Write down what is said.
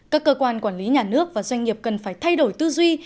các cơ quan quản lý nhà nước và doanh nghiệp cần phải thay đổi tư duy